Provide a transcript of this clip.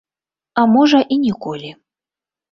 А можа, і ніколі.